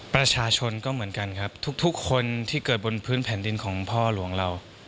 ประชาชนก็เหมือนกันครับทุกคนที่เกิดบนพื้นแผ่นดินของพ่อหลวงเรา